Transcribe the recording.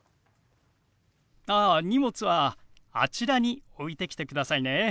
ああ荷物はあちらに置いてきてくださいね。